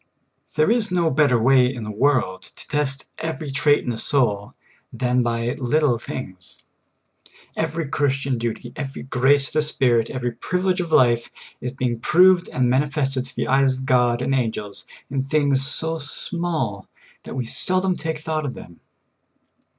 There is no better way in the world to test every trait in a soul than b}^ little things. Every Christian duty, every grace of the Spirit, every privilege of life, is being proved and manifested to the eyes of God and angels in things vSO small that we seldom take thought of them.